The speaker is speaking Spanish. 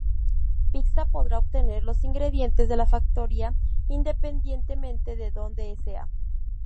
Pizza podrá obtener los ingredientes de la factoría independientemente de donde sea.